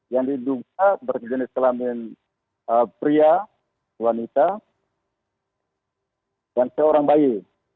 yang diduga berjenis kelamin pria wanita dan seorang bayi